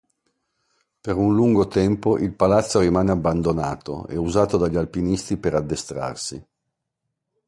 Per un lungo tempo il palazzo rimase abbandonato e usato dagli alpinisti per addestrarsi.